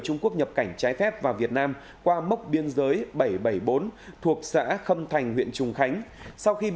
trung quốc nhập cảnh trái phép vào việt nam qua mốc biên giới bảy trăm bảy mươi bốn thuộc xã khâm thành huyện trùng khánh